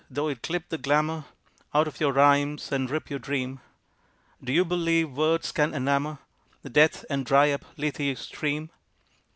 tho it clip the glamour Out of your rhymes and rip your dream. Do you believe words can enamour Death and dry up Lethe's stream?